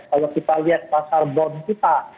kalau kita lihat pasar bond kita